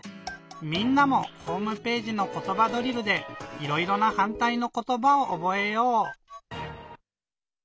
みんなもホームページの「ことばドリル」でいろいろなはんたいのことばをおぼえよう！